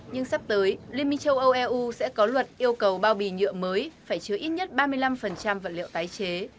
nhưng sắp tới liên minh châu âu eu sẽ có luật yêu cầu bao bì nhựa mới phải chứa ít nhất ba mươi năm vật liệu tái chế